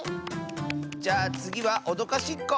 じゃあつぎはおどかしっこ！